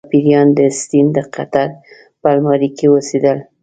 دا پیریان د اسټین د دفتر په المارۍ کې اوسیدل